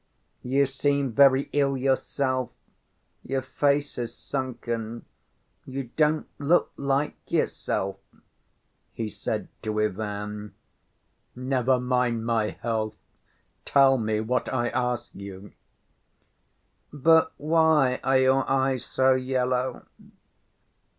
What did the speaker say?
"You seem very ill yourself, your face is sunken; you don't look like yourself," he said to Ivan. "Never mind my health, tell me what I ask you." "But why are your eyes so yellow?